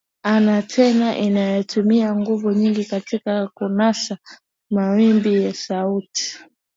antena inatumia nguvu nyingi katika kunasa mawimbi ya sauti